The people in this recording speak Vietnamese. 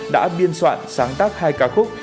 đã biên soạn sáng tác hai ca khúc